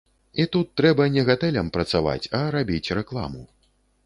І тут трэба не гатэлям працаваць, а рабіць рэкламу.